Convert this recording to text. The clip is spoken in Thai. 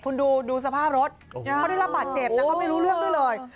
คุณดูดูสภาพรถเขาได้รับบาดเจ็บแล้วเขาไม่รู้เรื่องด้วยเลย